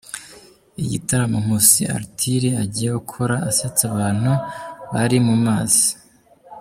Igitaramo Nkusi Arthur agiye gukora asetsa abantu bari mu mazi.